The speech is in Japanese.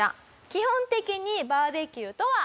基本的にバーベキューとは。